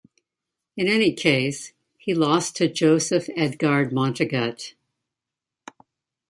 In any case, he lost to Joseph Edgard Montegut.